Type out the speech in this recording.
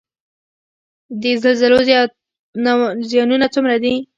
د زلزلو زیانونه څومره دي؟